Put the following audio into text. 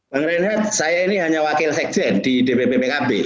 bang reinhardt saya ini hanya wakil sekjen di dpp pkb